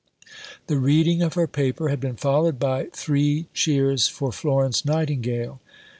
The reading of her paper had been followed by "Three Cheers for Florence Nightingale."